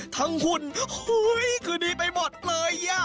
ทั้งหุ่นคือดีไปหมดเลย